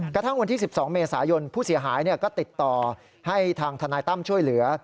กระทั่งวันที่๑๒เมษายนผู้เสียหายก็ติดต่อให้ทางทนายตั้มช่วยเหลือ